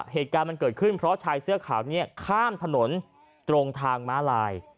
เหตุการณ์มันเกิดขึ้นเพราะชายเสื้อขาวเนี่ยข้ามถนนตรงทางม้าลาย